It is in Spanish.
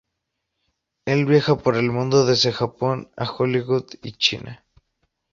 Él viaja por el mundo desde Japón a Hollywood y China.